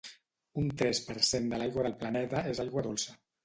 Un tres per cent de l'aigua del planeta és aigua dolça.